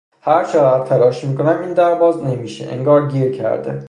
هر چقدر تلاش میکنم این در باز نمیشه انگار گیر کرده.